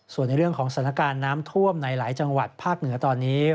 ส่วนในเรื่องของสถานการณ์น้ำท่วมในหลายจังหวัดภาคเหนือตอนนี้